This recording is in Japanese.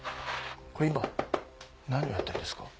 これ今何をやってるんですか？